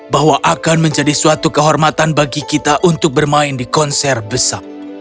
bahwa akan menjadi suatu kehormatan bagi kita untuk bermain di konser besar